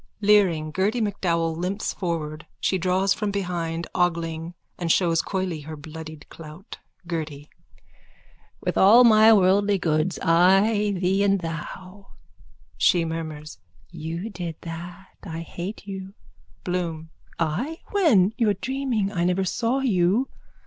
(Leering, Gerty Macdowell limps forward. She draws from behind, ogling, and shows coyly her bloodied clout.) GERTY: With all my worldly goods I thee and thou. (She murmurs.) You did that. I hate you. BLOOM: I? When? You're dreaming. I never saw you.